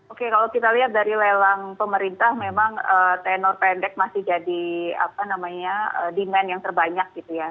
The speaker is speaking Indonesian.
oke kalau kita lihat dari lelang pemerintah memang tenor pendek masih jadi demand yang terbanyak gitu ya